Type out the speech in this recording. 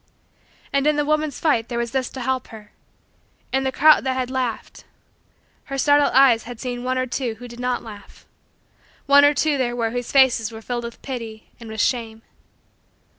And in the woman's fight there was this to help her: in the crowd that had laughed, her startled eyes had seen one or two who did not laugh one or two there were whose faces were filled with pity and with shame.